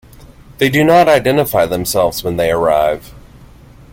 They do not identify themselves when they arrive.